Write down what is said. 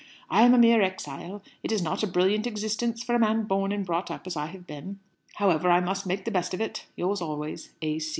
I am a mere exile. It is not a brilliant existence for a man born and brought up as I have been. However, I must make the best of it. "Yours always, "A.